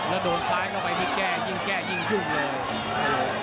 แล้วโดนซ้ายเข้าไปนี่แก้ยิ่งแก้ยิ่งยุ่งเลย